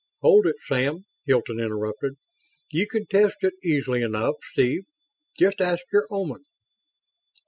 "Hold it, Sam," Hilton interrupted. "You can test it easily enough, Steve. Just ask your Oman."